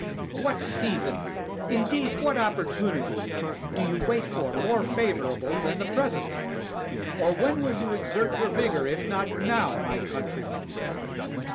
What season, indeed, what opportunity, do you wait for more favorable than the present? or when will you exert your vigor if not now, my countrymen?